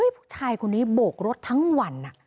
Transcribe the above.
ผู้ชายคนนี้โบกรถทั้งวัน